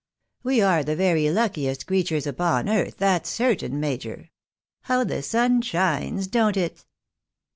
" We are the very luckiest creatures upon God's earth, that's certain, major. How the sun shines, don't it."